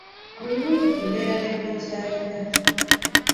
Buli wiiki mbeera ne gwe nkyalira.